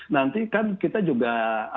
nanti kan kita juga